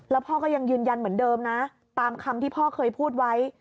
แล้วพ่อก็ยังยืนยันเหมือนเดิมนะตามคำที่พ่อเคยพูดไว้